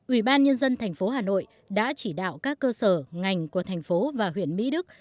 ủy ban nhân dân thành phố hà nội đã chỉ đạo các cơ sở ngành của thành phố và huyện mỹ đức